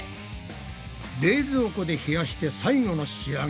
冷蔵庫で冷やして最後の仕上げ。